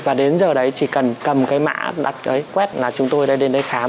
và đến giờ đấy chỉ cần cầm cái mã đặt cái quét là chúng tôi đã đến đây khám